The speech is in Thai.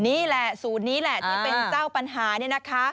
นี่แหละศูนย์นี้แหละที่เป็นเจ้าปัญหานี่นะคะ